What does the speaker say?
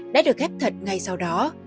đã được ghép thật ngay sau đó